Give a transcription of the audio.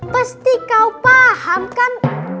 pasti kau paham kan